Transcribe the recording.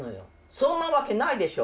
そんな訳ないでしょ！